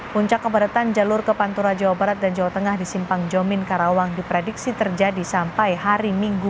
puncak kepadatan jalur ke pantura jawa barat dan jawa tengah di simpang jomin karawang diprediksi terjadi sampai hari minggu